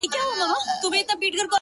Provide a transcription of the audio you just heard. • د مالدارو په کورونو په قصرو کي,